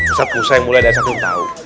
ustadz musa yang mulia dari saat itu tau